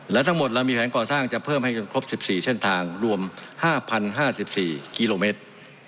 และทั้งหมดเรามีแผนก่อสร้างจะเพิ่มให้ครบ๑๔เส้นทางรวม๕๐๕๔กิโลเมตร